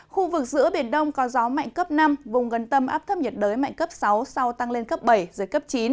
khu vực giữa biển đông có gió mạnh cấp năm vùng gần tâm áp thấp nhiệt đới mạnh cấp sáu sau tăng lên cấp bảy giới cấp chín